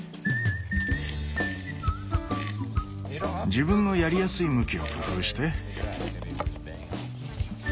自分のやりやすい向きを工夫して。